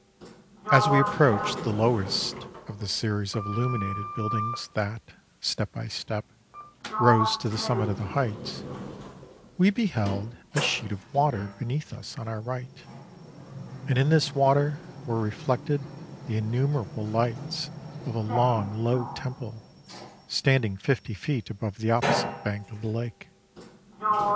As we approached the lowest of the series of illuminated buildings that, step by step, rose to the summit of the heights, we beheld a sheet of water beneath us on our right, and in this water were reflected the innumerable lights of a long, low temple, standing fifty feet above the opposite bank of the lake.